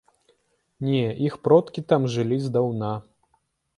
Не, іх продкі там жылі здаўна.